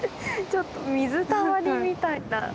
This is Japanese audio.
ちょっと水たまりみたいになってる。